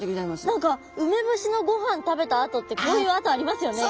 何かウメボシのごはん食べたあとってこういうあとありますよね。